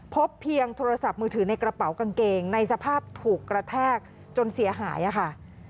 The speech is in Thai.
พบเพียงโทรศัพท์มือถือในกระเป๋ากางเกงในสภาพถูกกระแทกจนเสียหายค่ะ